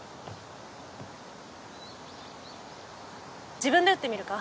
自分で打ってみるか？